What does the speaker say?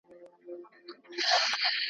هغه سړی چې دلته ناست دی انجنیر دی.